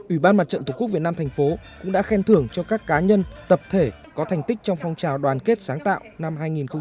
ubnd tp việt nam thành phố cũng đã khen thưởng cho các cá nhân tập thể có thành tích trong phong trào đoàn kết sáng tạo năm hai nghìn hai mươi